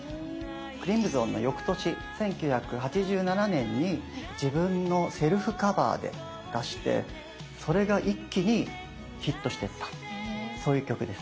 「ＣＲＩＭＳＯＮ」のよくとし１９８７年に自分のセルフカバーで出してそれが一気にヒットしていったそういう曲です。